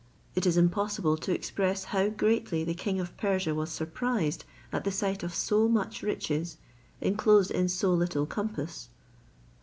It is impossible to express how greatly the king of Persia was surprised at the sight of so much riches, enclosed in so little compass.